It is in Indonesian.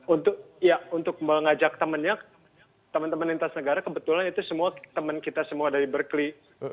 untuk ya untuk mengajak temannya teman teman lintas negara kebetulan itu semua teman kita semua dari berkeley